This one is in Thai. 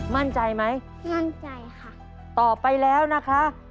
มั่นใจไหมมั่นใจค่ะตอบไปแล้วนะคะ